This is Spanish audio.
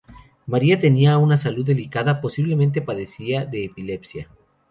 María tenía una salud delicada, posiblemente padecía de epilepsia.